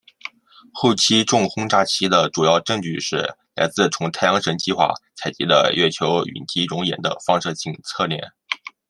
后期重轰炸期的主要证据是来自从太阳神计画采集的月球陨击熔岩的放射性测年。